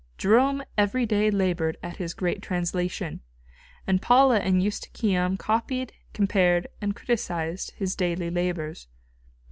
Jerome every day laboured at his great translation, and Paula and Eustochium copied, compared and criticised his daily labours.